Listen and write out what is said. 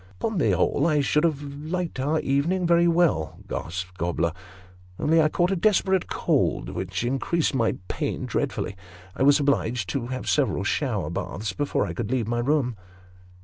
" Upon tho whole, I should have liked our evening very well," gasped Gobler ;" only I caught a desperate cold which increased my pain dreadfully ! I was obliged to have several shower baths, before I could leave my room."